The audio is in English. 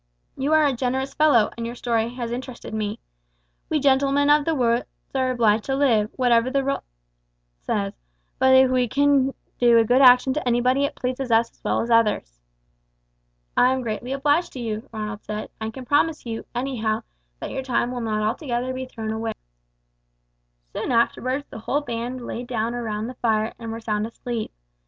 You are a generous fellow, and your story has interested me. We gentlemen of the woods are obliged to live, whatever the law says; but if we can do a good action to anybody it pleases us as well as others." "I am greatly obliged to you," Ronald said, "and can promise you, anyhow, that your time shall be not altogether thrown away." Soon afterwards the whole band lay down round the fire and were sound asleep.